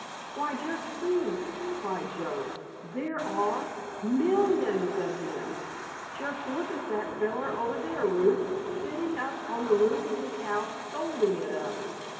"Why, just see," cried Joe, "there are millions of them! Just look at that fellow over there, Ruth, sitting up on the roof of his house scolding at us!"